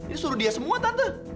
ya suruh dia semua tante